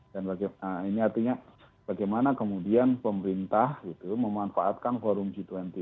dan ini artinya bagaimana kemudiannya kita bisa mencapai kategori yang lebih besar ya